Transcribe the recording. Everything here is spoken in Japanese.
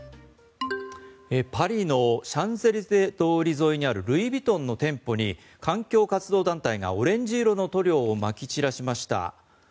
パリのシャンゼリゼ通り沿いにあるルイ・ヴィトンの店舗に環境活動団体がオレンジ色の塗料をまき散らしました。